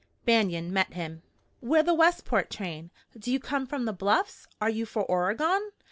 Banion met him. "We're the Westport train. Do you come from the Bluffs? Are you for Oregon?"